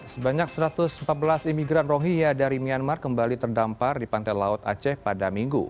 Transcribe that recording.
sebanyak satu ratus empat belas imigran rohia dari myanmar kembali terdampar di pantai laut aceh pada minggu